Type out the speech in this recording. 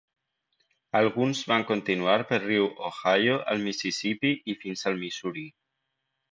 Alguns van continuar pel riu Ohio al Mississipí i fins al Missouri.